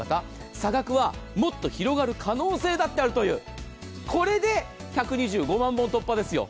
差額はもっと広がる可能性だってあるというこれで１２５万本突破ですよ。